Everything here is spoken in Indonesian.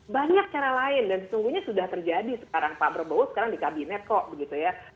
banyak cara lain dan sesungguhnya sudah terjadi sekarang pak prabowo sekarang di kabinet kok begitu ya